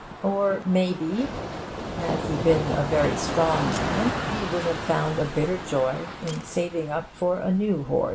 Or, may be, had he been a very strong man, he would have found a bitter joy in saving up for a new hoard.